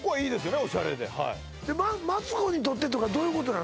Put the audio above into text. オシャレでマツコにとってとかどういうことなの？